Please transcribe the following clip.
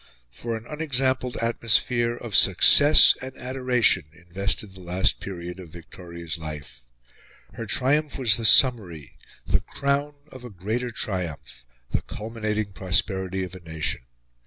For an unexampled atmosphere of success and adoration invested the last period of Victoria's life. Her triumph was the summary, the crown, of a greater triumph the culminating prosperity of a nation.